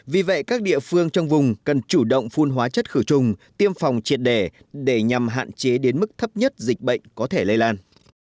vì vậy các địa phương trong vùng cần chủ động phun hóa chất khử trùng tiêm phòng triệt đẻ để nhằm hạn chế đến mức thấp nhất dịch bệnh có thể lây lan